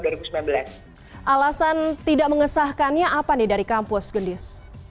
alasan tidak mengesahkannya apa nih dari kampus gendis